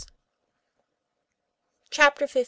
CHAPTER XV.